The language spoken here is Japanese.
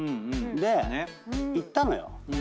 で行ったのよ。